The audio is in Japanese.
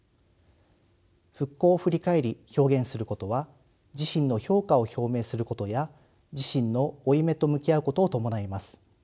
復興を振り返り表現することは自身の評価を表明することや自身の負い目と向き合うことを伴います。